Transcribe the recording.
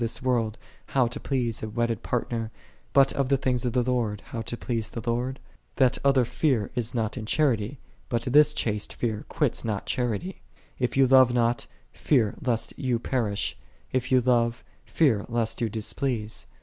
this world, how to please a wedded partner; but of the things of the Lord, how to please j the Lord ?" That other fear is not in charity, j but this chaste fear quitteth not charity. If j you love not, fear lest you perish; if you love, fear lest you displease.